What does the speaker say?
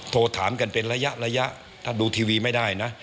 โทรถามกันเป็นระยะระยะถ้าดูทีวีไม่ได้นะ